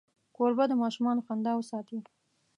کوربه د ماشومانو خندا وساتي.